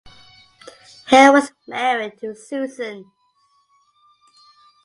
Hale was married to Susan.